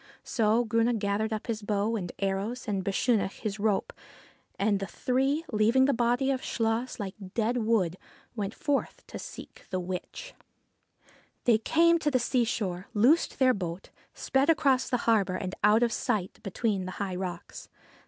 So Grunne gathered up his bow and arrows and Bechunach his rope, and the three, leaving the body of Chluas like dead wood, went forth to seek the witch. 77 QUEEN OF THE MANY COLOURED BEDCHAMBER They came to the seashore, loosed their boat, sped across the harbour and out between the high rocks.